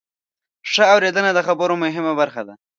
ښه اورېدنه د خبرو مهمه برخه ده.